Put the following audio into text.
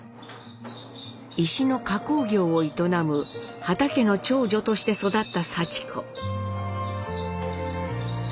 石の加工業を営む畑家の長女として育ったさち子。